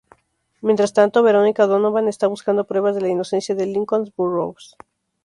Mientras tanto, Veronica Donovan está buscando pruebas de la inocencia de Lincoln Burrows.